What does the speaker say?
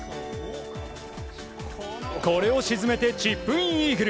これを沈めてチップインイーグル。